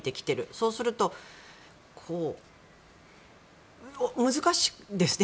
そうすると、難しいですね。